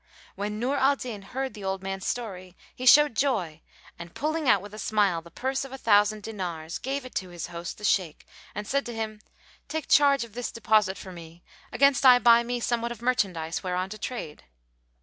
When Nur al Din heard the old man's story, he showed joy and pulling out with a smile the purse of a thousand dinars, gave it to his host the Shaykh and said to him, "Take charge of this deposit for me, against I buy me somewhat of merchandise whereon to trade."